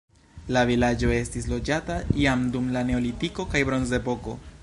La vilaĝo estis loĝata jam dum la neolitiko kaj bronzepoko.